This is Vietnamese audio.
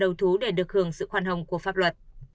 đầu thú để được hưởng sự khoan hồng của pháp luật